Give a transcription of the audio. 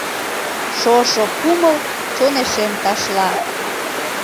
Шошо кумыл чонешем ташла.